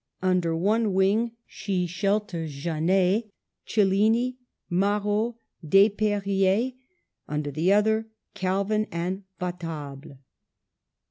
Under one wing she shelters Janet, Cellini, Marot, Desperriers ; under the other, Calvin and Vatable.